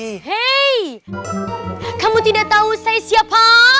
hei kamu tidak tahu saya siapa